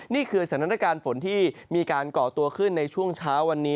นี่คือสถานการณ์ฝนที่มีการก่อตัวขึ้นในช่วงเช้าวันนี้